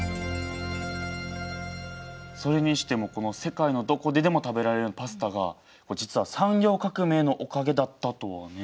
それにしても世界のどこででも食べられるようになったパスタが実は産業革命のおかげだったとはね。